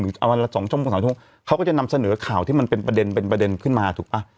เอาอันละ๒ชั่วโมงเขาก็จะนำเสนอข่าวที่มันเป็นประเด็นขึ้นมาถูกป่ะ